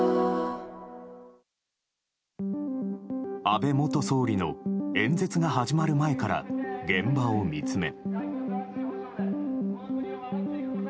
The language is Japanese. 安倍元総理の演説が始まる前から現場を見つめ。